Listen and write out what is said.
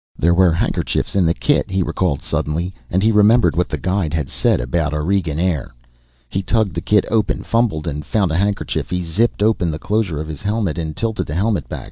There were handkerchiefs in the kit, he recalled suddenly. And he remembered what the guide had said about Aurigean air. He tugged the kit open, fumbled and found a handkerchief. He zipped open the closure of his helmet and tilted the helmet back.